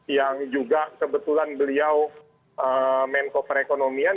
yang juga kebetulan beliau menko perekonomian